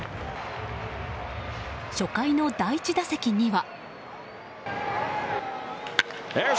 初回の第１打席には。